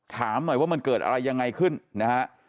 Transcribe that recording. ถามหน่อยว่ามันเกิดอะไรยังไงขึ้นนะฮะ